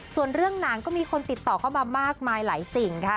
ส่วนเรื่องหนังก็มีคนติดต่อเข้ามามากมายหลายสิ่งค่ะ